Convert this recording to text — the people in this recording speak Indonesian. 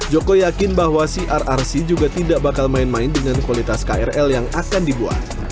joko yakin bahwa crrc juga tidak bakal main main dengan kualitas krl yang akan dibuat